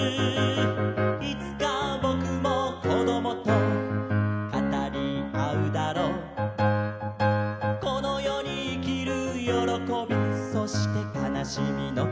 「いつかぼくも子どもと語りあうだろう」「この世に生きるよろこびそして悲しみのことを」